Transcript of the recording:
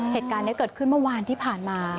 เหตุการณ์นี้เกิดขึ้นเมื่อวานที่ผ่านมา